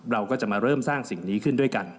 เราก็จะมาเริ่มสร้างสิ่งนี้ขึ้นด้วยกัน